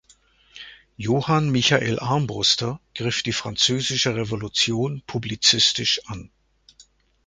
Johann Michael Armbruster griff die französische Revolution publizistisch an.